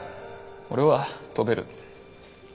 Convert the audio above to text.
俺は飛べる。